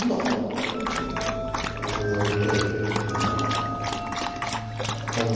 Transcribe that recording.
こうやって何だ？